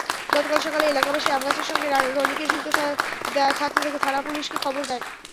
গতকাল সকালে এলাকাবাসী আমগাছের সঙ্গে রনিকে ঝুলে থাকতে দেখে থানা-পুলিশকে খবর দেন।